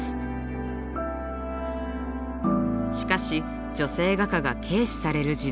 しかし女性画家が軽視される時代。